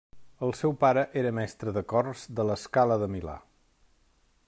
El seu pare era mestre de cors de la Scala de Milà.